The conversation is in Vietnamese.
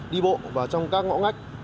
đi bộ vào trong các ngõ ngách